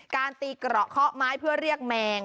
การตีเกราะข้อไม้เพื่อเรียกแมง